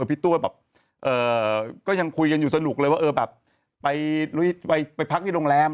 พี่ตัวแบบก็ยังคุยกันอยู่สนุกเลยว่าเออแบบไปพักที่โรงแรม